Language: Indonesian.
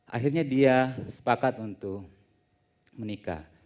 akhirnya dia sepakat untuk menikah